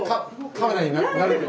カメラに慣れてる。